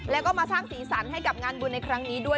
แล้วก็มาสร้างสีสันให้กับงานบุญในครั้งนี้ด้วย